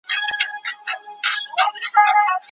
د شاګردانو ليکني باید له نیوکو پرته په مینه سمي سي.